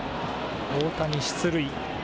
大谷出塁。